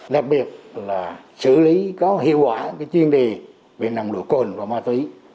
đặc biệt là xử lý có hiệu quả chuyên đề về nồng độ cồn và ma túy